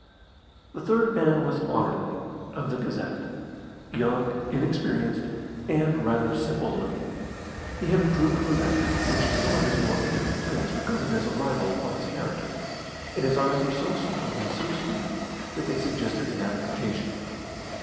The third man was Anerley, of the Gazette young, inexperienced, and rather simple looking. He had a droop of the lip, which some of his more intimate friends regarded as a libel upon his character, and his eyes were so slow and so sleepy that they suggested an affectation.